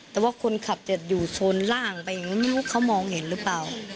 แต่ว่าคนขับจะอยู่โซนล่างไปไม่รู้ว่าเขามองเห็นหรือเปล่า